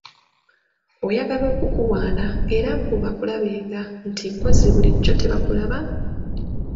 Oyagala kukuwaana era mbu bakulabenga nti mpozzi bulijjo tebakulaba!